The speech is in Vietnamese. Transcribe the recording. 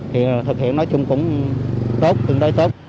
thì thực hiện nói chung cũng tương đối tốt